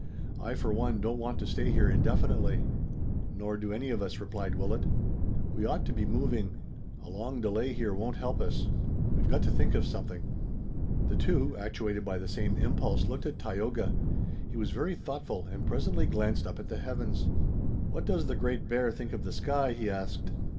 "I, for one, don't want to stay here indefinitely." "Nor do any of us," replied Willet. "We ought to be moving. A long delay here won't help us. We've got to think of something." The two, actuated by the same impulse, looked at Tayoga. He was very thoughtful and presently glanced up at the heavens. "What does the Great Bear think of the sky?" he asked.